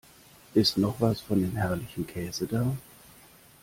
Ist noch was von dem herrlichen Käse da?